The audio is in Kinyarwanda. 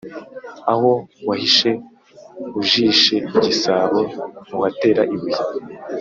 Aho wahishe (ujishe) igisabo, ntuhatera ibuye.